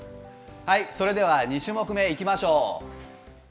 それでは２種目目、いきましょう。